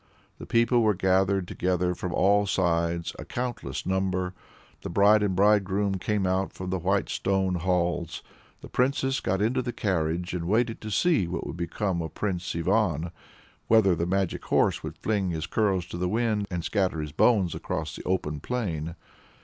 The people were gathered together from all sides a countless number. The bride and bridegroom came out from the white stone halls. The Princess got into the carriage and waited to see what would become of Prince Ivan; whether the magic horse would fling his curls to the wind, and scatter his bones across the open plain.